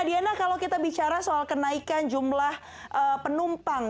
diana kalau kita bicara soal kenaikan jumlah penumpang